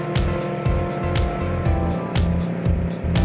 warm up tutup ya